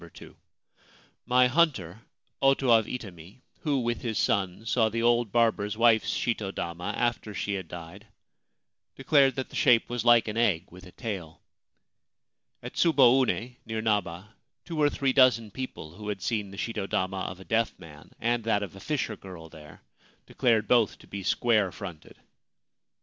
2. My hunter, Oto of Itami, who, with his son, saw the old barber's wife's shito dama after she had died, declared that the shape was like an egg with a tail. At Tsuboune, near Naba, two or three dozen people who had seen the shito dama of a deaf man and that of a fisher girl there declared both to be square fronted.